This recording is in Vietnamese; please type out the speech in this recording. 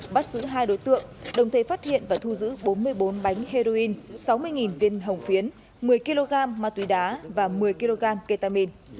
bắt giữ hai đối tượng đồng thể phát hiện và thu giữ bốn mươi bốn bánh heroin sáu mươi viên hồng phiến một mươi kg ma túy đá và một mươi kg ketamin